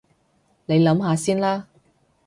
你諗下先啦